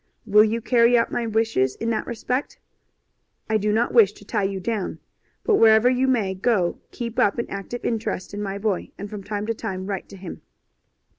Will you carry out my wishes in that respect? I do not wish to tie you down, but wherever you may go keep up an active interest in my boy, and from time to time write to him.